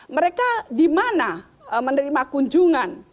mereka dimana menerima kunjungan